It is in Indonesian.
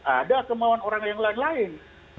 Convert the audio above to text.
ada kemauan orang yang lain lain